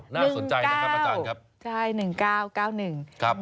น่าสนใจนะครับอาจารย์ครับ๑๙๙๑